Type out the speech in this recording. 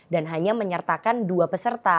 dan hanya menyertakan dua peserta